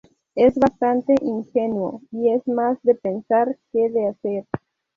Es bastante ingenuo y es más de pensar que de hacer.